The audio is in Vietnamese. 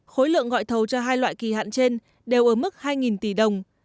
khối lượng gọi thầu cho hai loại kỳ hạn trên đều ở mức hai tỷ đồng